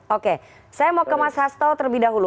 oke saya mau ke mas hasto terlebih dahulu